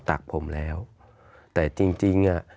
ตักผมแล้วแต่จริง